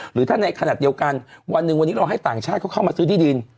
หรือถ้าในขณะเดียวกันวันหนึ่งวันนี้เราให้ต่างชาติเขาเข้ามาซื้อที่ดิน